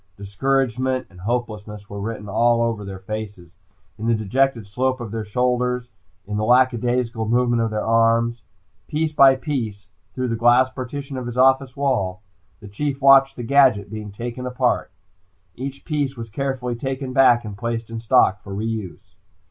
Discouragement and hopelessness were written all over their faces, in the dejected slope of their shoulders, in the lackadaisical movements of their arms. Piece by piece, through the glass partition of his office wall, the Chief watched the gadget being taken apart. Each piece was carefully taken back and placed in stock for re use.